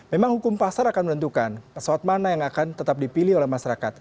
memang hukum pasar akan menentukan pesawat mana yang akan tetap dipilih oleh masyarakat